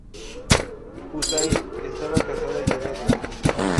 Hussain estaba casada y tenía dos hijos.